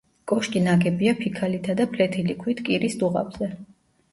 კოშკი ნაგებია ფიქალითა და ფლეთილი ქვით კირის დუღაბზე.